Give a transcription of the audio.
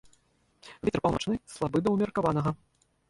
Вецер паўночны слабы да ўмеркаванага.